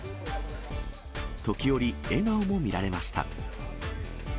時折、笑顔も見られました。